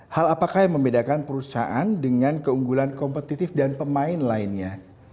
hal apakah yang membedakan perusahaan dengan keunggulan kompetitif dan pemain lainnya